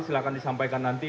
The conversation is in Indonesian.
silahkan disampaikan nanti